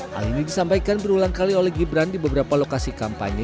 hal ini disampaikan berulang kali oleh gibran di beberapa lokasi kampanye